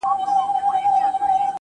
چې لاندې باندې څلور بیتونه یې